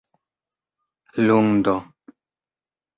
lundo